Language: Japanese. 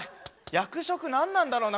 役職何なんだろうな